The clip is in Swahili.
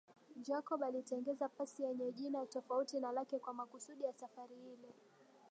Jacob alitengeneza pasi yenye jina tofauti na lake kwa makusudi ya safari ile